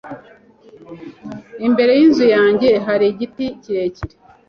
Imbere yinzu yanjye hari igiti kirekire.